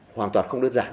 hoàn toàn không đơn giản